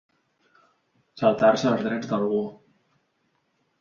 Saltar-se els drets d'algú.